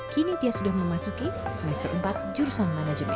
kini dia sudah memasuki semester empat jurusan manajemen